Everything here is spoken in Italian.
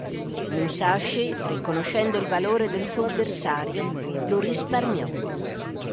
Musashi, riconoscendo il valore del suo avversario, lo risparmiò.